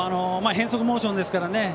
変則モーションですからね。